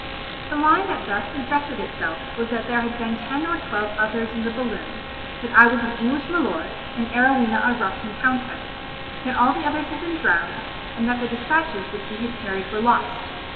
The line that thus suggested itself was that there had been ten or twelve others in the balloon, that I was an English Milord, and Arowhena a Russian Countess; that all the others had been drowned, and that the despatches which we had carried were lost.